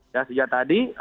ya sejak tadi